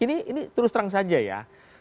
ini terus terang saja ya